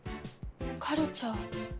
カルチャー。